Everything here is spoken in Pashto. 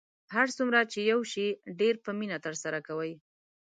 هر څومره چې یو شی ډیر په مینه ترسره کوئ